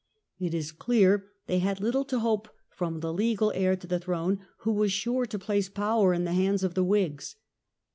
It is clear they had little to hope from the legal heir to the throne, who was sure to place power in the hands of the Whigs.